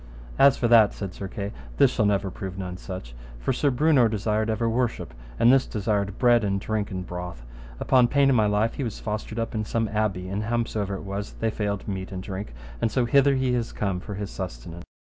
As for that, said Sir Kay, this shall never prove none such. For Sir Brewnor desired ever worship, and this desireth bread and drink and broth; upon pain of my life he was fostered up in some abbey, and, howsomever it was, they failed meat and drink, and so hither he is come for his sustenance.